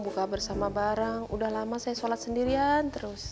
buka bersama bareng udah lama saya sholat sendirian terus